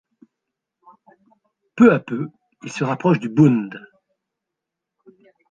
Peu à peu, il se rapproche du Bund.